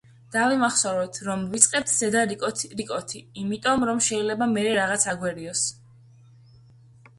დავიმახსოვროთ, რომ ვიწყებთ ზედა რკოთი იმიტომ, რომ შეიძლება მერე რაღაც აგვერიოს.